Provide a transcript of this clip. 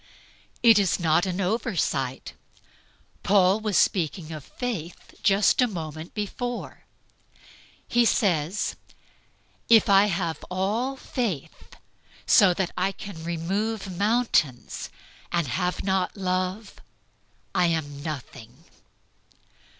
It is not an oversight. Paul was speaking of faith just a moment before. He says, "If I have all faith, so that I can remove mountains, and have not love, I am nothing."